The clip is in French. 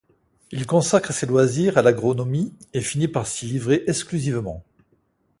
Il consacre ses loisirs à l’agronomie et finit par s’y livrer exclusivement.